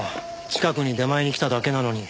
近くに出前に来ただけなのに。